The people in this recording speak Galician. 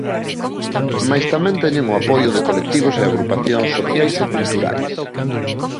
Mais tamén teñen o apoio de colectivos e agrupacións sociais e culturais.